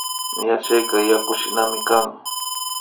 Yachayka yakushinami kan